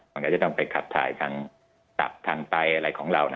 มันก็จะต้องไปขับถ่ายทางตับทางไปอะไรของเรา